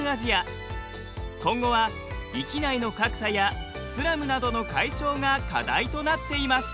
今後は域内の格差やスラムなどの解消が課題となっています。